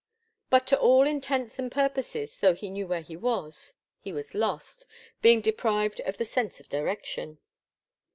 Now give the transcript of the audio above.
But to all intents and purposes, though he knew where he was, he was lost, being deprived of the sense of direction.